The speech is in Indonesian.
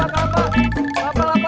kelapa kelapa kelapa kelapa